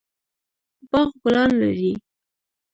باغ ګلان لري